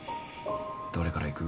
どれからいく？